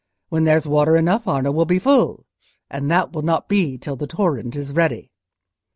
When there's water enough Arno will be full, and that will not be till the torrent is ready."